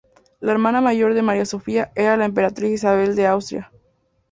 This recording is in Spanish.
La hermana mayor de María Sofía era la Emperatriz Isabel de Austria.